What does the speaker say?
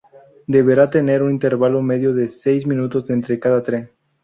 Deberá tener un intervalo medio de seis minutos entre cada tren.